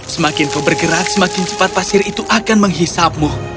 semakin kau bergerak semakin cepat pasir itu akan menghisapmu